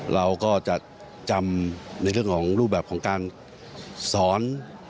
เราก็จะจำในเรื่องของรูปแบบของการสอน